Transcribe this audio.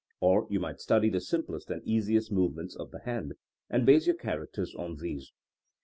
Or you might study the simplest and easiest movements of the hand, and base your characters on these.